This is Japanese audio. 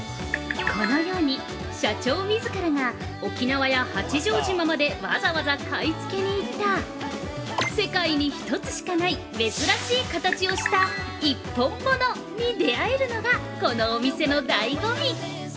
◆このように、社長みずからが沖縄や八丈島までわざわざ買いつけに行った世界に一つしかない珍しい形をした一本物に出会えるのが、このお店のだいご味。